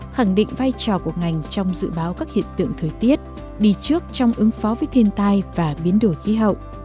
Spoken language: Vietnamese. khẳng định vai trò của ngành trong dự báo các hiện tượng thời tiết đi trước trong ứng phó với thiên tai và biến đổi khí hậu